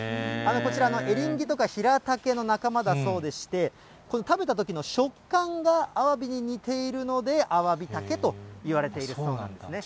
こちらのエリンギとか、ヒラタケの仲間だそうでして、食べたときの食感がアワビに似ているので、アワビタケといわれているそうなんですね。